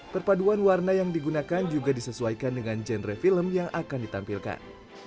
perpaduan warna yang digunakan juga disesuaikan dengan genre film yang akan ditampilkan